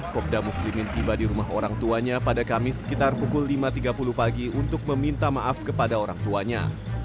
kopda muslimin tiba di rumah orang tuanya pada kamis sekitar pukul lima tiga puluh pagi untuk meminta maaf kepada orang tuanya